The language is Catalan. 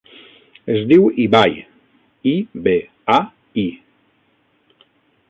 Es diu Ibai: i, be, a, i.